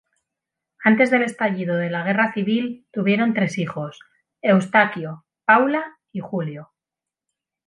Antes del estallido de la Guerra Civil tuvieron tres hijos, Eustaquio, Paula y Julio.